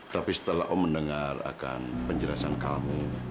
tapi setelah om mendengar akan penjelasan kamu